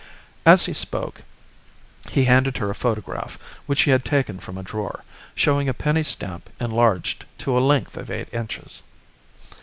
As he spoke, he handed her a photograph, which he had taken from a drawer, showing a penny stamp enlarged to a length of eight inches.